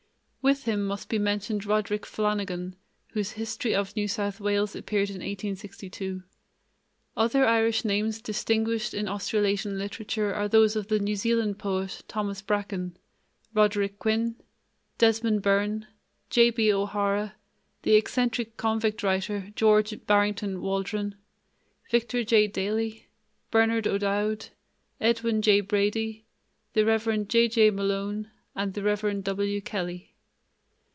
With him must be mentioned Roderick Flanagan, whose History of New South Wales appeared in 1862. Other Irish names distinguished in Australasian literature are those of the New Zealand poet, Thomas Bracken; Roderick Quinn; Desmond Byrne; J.B. O'Hara; the eccentric convict writer, George "Barrington" Waldron; Victor J. Daley; Bernard O'Dowd; Edwin J. Brady; the Rev. J.J. Malone; and the Rev. W. Kelly.